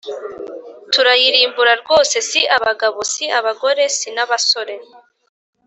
turayirimbura rwose si abagabo si abagore si n abasore